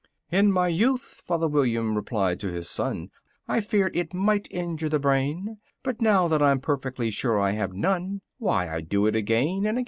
2. "In my youth," father William replied to his son, "I feared it might injure the brain But now that I'm perfectly sure I have none, Why, I do it again and again."